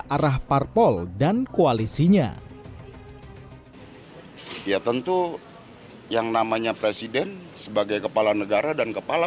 arah parpol dan koalisinya ya tentu yang namanya presiden sebagai kepala negara dan kepala